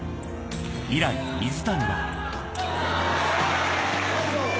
以来、水谷は。